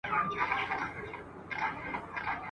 نه منزل چاته معلوم دی نه منزل ته څوک رسیږي ..